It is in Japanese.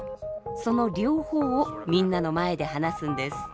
その両方をみんなの前で話すんです。